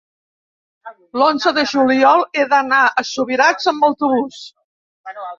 l'onze de juliol he d'anar a Subirats amb autobús.